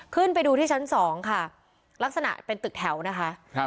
ขึ้นไปดูที่ชั้นสองค่ะลักษณะเป็นตึกแถวนะคะครับ